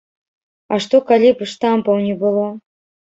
А што калі б штампаў не было?